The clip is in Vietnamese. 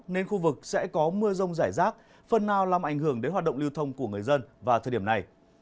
nên khu vực sẽ có mưa rông rải rác phần nào làm ảnh hưởng đến hoạt động lưu thông của người dân vào thời điểm này